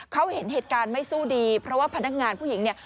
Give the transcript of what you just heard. เขาเห็นเหตุการณ์ไม่สู้ดีเพราะว่าพนักงานผู้หญิงเนี่ย